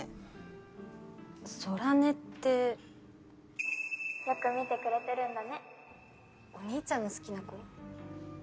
空音ってよく見てくれてるんだねお兄ちゃんの好きな子？